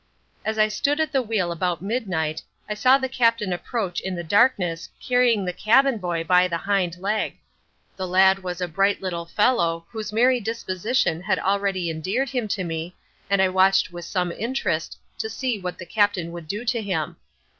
As I stood at the wheel about midnight, I saw the Captain approach in the darkness carrying the cabin boy by the hind leg. The lad was a bright little fellow, whose merry disposition had already endeared him to me, and I watched with some interest to see what the Captain would do to him.